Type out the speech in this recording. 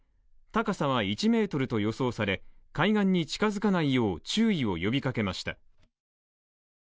高さは１ｍと予想され、海岸に近づかないよう注意を呼びかけました。